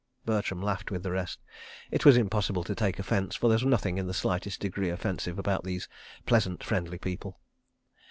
..." Bertram laughed with the rest. It was impossible to take offence, for there was nothing in the slightest degree offensive about these pleasant, friendly people.